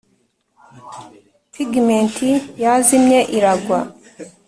pigment yazimye iragwa,